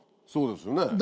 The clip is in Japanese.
そうですよね。